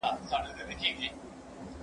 ډېري سترگي به كم كمي له سرونو